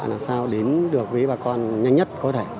làm sao đến được với bà con nhanh nhất có thể